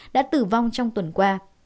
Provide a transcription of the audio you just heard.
đã tử vong trong tuần qua